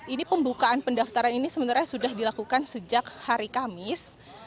ini pembukaan pendaftaran ini sebenarnya sudah dilakukan sejak hari kamis